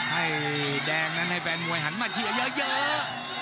ให้แดงนั้นให้แฟนมวยหันมาเชียร์เยอะ